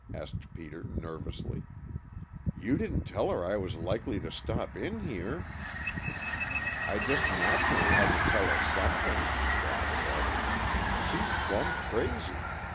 asked Peter nervously. "You didn't tell her I was likely to stop in here?" "I just naturally had to tell her something," Rapp said. "She's plumb crazy.